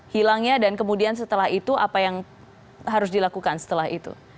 hilangnya dan kemudian setelah itu apa yang harus dilakukan setelah itu